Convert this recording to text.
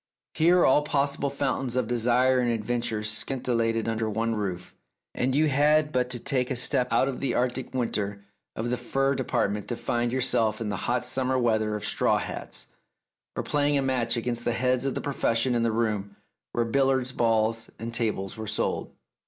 Here all pos sible fountains of desire and adventure scintillated under one roof, and you had but to take a step out of the Arctic winter of the fur department to find yourself in the hot summer weather of straw hats, or playing a match against the heads of the profes sion in the room where billiard balls and tables were sold.